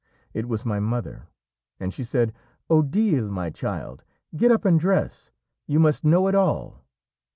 It was my mother; and she said, 'Odile, my child, get up and dress! You must know it all!'